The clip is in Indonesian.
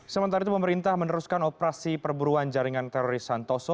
sementara itu pemerintah meneruskan operasi perburuan jaringan teroris santoso